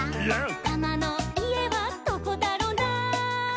「タマのいえはどこだろな」